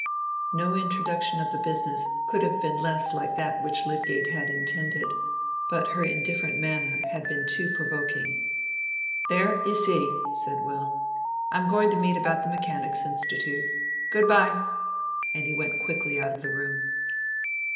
No introduction of the business could have been less like that which Lydgate had intended; but her indifferent manner had been too provoking. "There! you see," said Will. "I'm going to the meeting about the Mechanics' Institute. Good by;" and he went quickly out of the room.